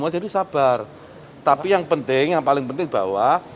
jadi sabar tapi yang penting yang paling penting bahwa